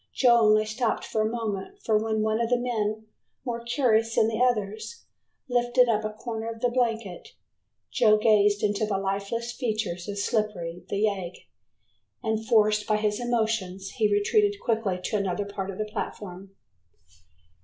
Joe only stopped for a moment, for when one of the men, more curious than the others, lifted up a corner of the blanket, Joe gazed into the lifeless features of Slippery, the yegg, and forced by his emotions he retreated quickly to another part of the platform.